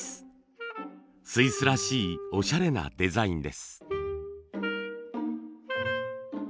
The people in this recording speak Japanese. スイスらしいおしゃれなデザインです。